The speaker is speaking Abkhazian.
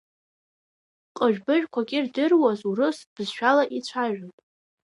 Ҟыжә-быжәқәак ирдыруаз урыс бызшәала ицәажәон.